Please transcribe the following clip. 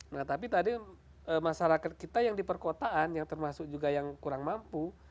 nah tapi tadi masyarakat kita yang di perkotaan yang termasuk juga yang kurang mampu